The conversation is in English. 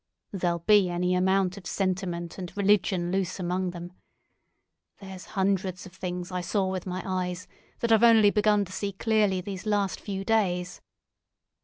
"There'll be any amount of sentiment and religion loose among them. There's hundreds of things I saw with my eyes that I've only begun to see clearly these last few days.